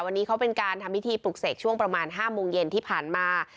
วันนี้เขาเป็นการทำพิธีปลุกเสกช่วงประมาณ๕โมงเย็นที่ผ่านมา